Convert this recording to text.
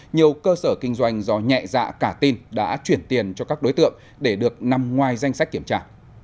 nhiều cơ sở kinh doanh do nhẹ dạ cả tin đã chuyển tiền cho các đối tượng để được nằm ngoài danh sách kiểm tra